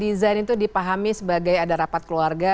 bila design itu dipahami sebagai ada rapat keluarga